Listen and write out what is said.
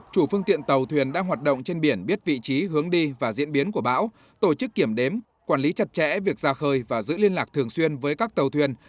chủ phương tiện tàu thuyền đang hoạt động trên biển biết vị trí hướng đi và diễn biến của bão tổ chức kiểm đếm quản lý chặt chẽ việc ra khơi và giữ liên lạc thường xuyên với các tàu thuyền